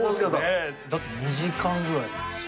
だって２時間ぐらい。